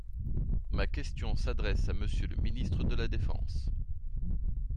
Ma question s’adresse à Monsieur le ministre de la défense.